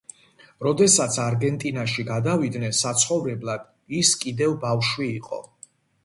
როდესაც არგენტინაში გადავიდნენ საცხოვრებლად ის კიდევ ბავშვი იყო.